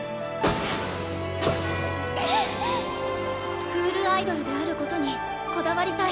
「スクールアイドルである事にこだわりたい」。